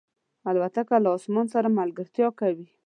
الوتکه له انسان سره ملګرتیا کوي.